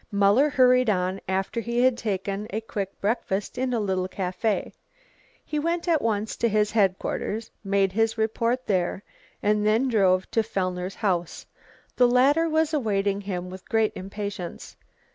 Muller hurried on, after he had taken a quick breakfast in a little cafe. He went at once to headquarters, made his report there and then drove to Fellner's house. The latter was awaiting him with great impatience.